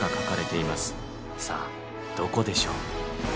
さあどこでしょう？